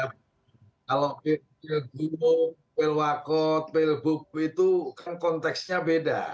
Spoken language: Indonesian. kalau pilgub pilwakot pilbub itu kan konteksnya beda